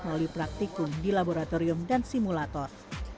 di darat melalui praktikum di laboratorium dan simulator